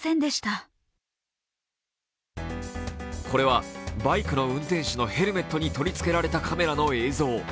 これはバイクの運転手のヘルメットに取りつけられたカメラの映像。